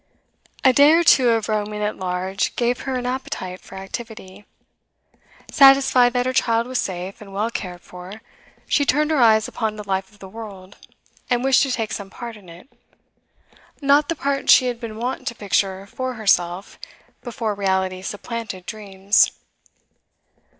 A day or two of roaming at large gave her an appetite for activity. Satisfied that her child was safe and well cared for, she turned her eyes upon the life of the world, and wished to take some part in it not the part she had been wont to picture for herself before reality supplanted dreams.